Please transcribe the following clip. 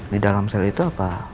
di dalam sel itu apa